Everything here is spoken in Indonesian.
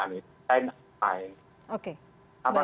tidak ada apa